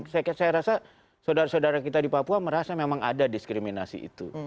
saya rasa saudara saudara kita di papua merasa memang ada diskriminasi itu